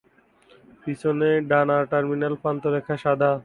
পিছনের ডানার টার্মিনাল প্রান্তরেখা সাদা।